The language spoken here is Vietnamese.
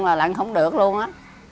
là lận không được luôn á